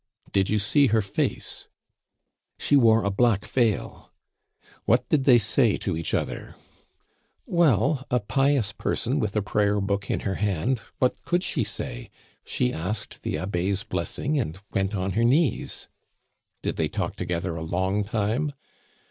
"Did you see her face?" "She wore a black veil." "What did they say to each other?" "Well a pious person, with a prayer book in her hand what could she say? She asked the Abbe's blessing and went on her knees." "Did they talk together a long time?"